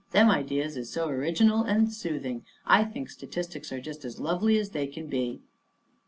"Them ideas is so original and soothing. I think statistics are just as lovely as they can be."